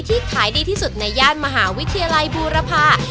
ขายดีที่สุดในย่านมหาวิทยาลัยบูรพา